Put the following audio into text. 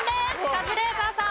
カズレーザーさん。